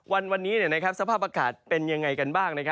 วันนี้สภาพอากาศเป็นยังไงกันบ้าง